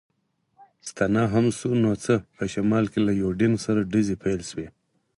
ستنه هم شو، نو څه، په شمال کې له یوډین سره ډزې پیل شوې.